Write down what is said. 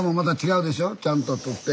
ちゃんと取って。